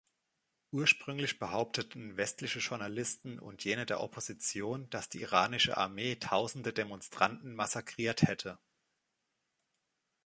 Ursprünglich behaupteten westliche Journalisten und jene der Opposition, dass die iranische Armee tausende Demonstranten massakriert hätte.